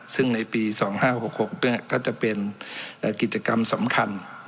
ซึ่งในปี๒๕๖๖ก็จะเป็นกิจกรรมสำคัญ